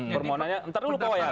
permohonannya ntar dulu pak wayan